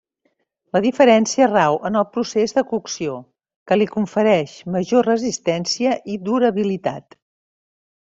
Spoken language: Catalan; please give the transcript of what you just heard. La diferència rau en el procés de cocció, que li confereix major resistència i durabilitat.